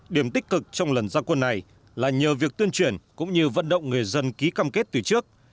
điểm tích cực trong lần gia quân này là nhờ việc tuyên truyền cũng như vận động người dân ký cam kết từ trước